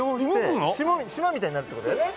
島みたいになるって事だよね？